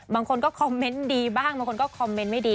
บางคนก็คอมเมนต์ดีบ้างบางคนก็คอมเมนต์ไม่ดี